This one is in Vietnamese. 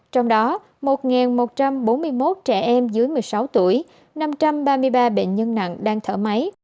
trong đó một một trăm bốn mươi một trẻ em dưới một mươi sáu tuổi năm trăm ba mươi ba bệnh nhân nặng đang thở máy